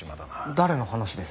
誰の話です？